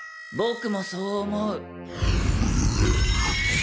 ボクもそう思う。